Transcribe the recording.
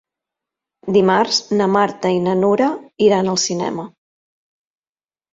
Dimarts na Marta i na Nura iran al cinema.